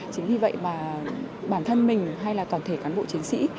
chính vì vậy mà bản thân mình hay là toàn thể cán bộ chiến sĩ